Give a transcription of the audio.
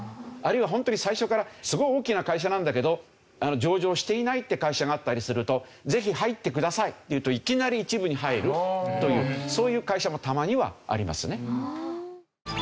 あるいはホントに最初からすごい大きな会社なんだけど上場していないって会社があったりするとぜひ入ってくださいっていうといきなり一部に入るというそういう会社もたまにはありますね。